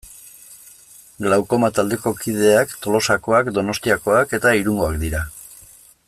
Glaukoma taldeko kideak Tolosakoak, Donostiakoak eta Irungoak dira.